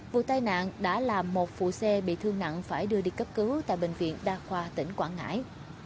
vụ tai nạn đã làm một phụ xe bị thương nặng phải đưa đi cấp cứu tại bệnh viện đa khoa tỉnh quảng ngãi